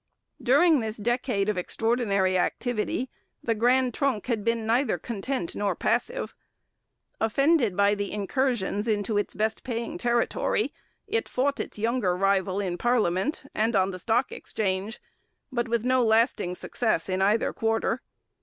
During this decade of extraordinary activity the Grand Trunk had been neither content nor passive. Offended by the incursions into its best paying territory, it fought its younger rival in parliament and on the stock exchange, but with no lasting success in either quarter.